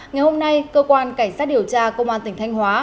ngày hôm nay cơ quan cảnh sát điều tra công an tỉnh thanh hóa